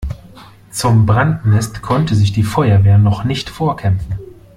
Zum Brandnest konnte sich die Feuerwehr noch nicht vorkämpfen.